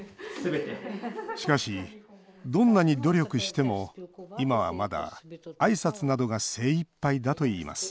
しかし、どんなに努力しても今はまだ、あいさつなどが精いっぱいだといいます